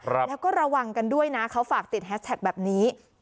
แล้วก็ระวังกันด้วยนะเขาฝากติดแฮชแท็กแบบนี้